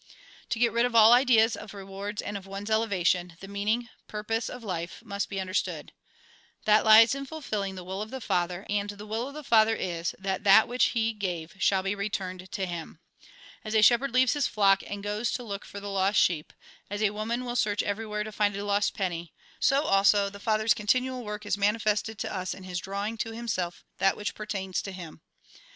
To get rid of all ideas of rewards and of one's elevation, the meaning, purpose, of life must be understood. That lies in fulfilling the will of the Father; and the will of the Father is, that that which He gave shall be returned to Him. As a shepherd leaves his flock, and goes to look for the lost sheep, as a woman will search everywhere to find a lost penny, so also the Father's continual work is manifested to us in His drawing to Himself that which pertains to Him.